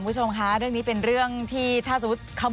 ควิทยาลัยเชียร์สวัสดีครับ